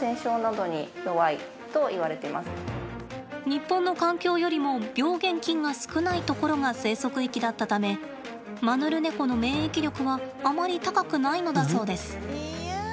日本の環境よりも病原菌が少ないところが生息域だったためマヌルネコの免疫力はあまり高くないのだそうです。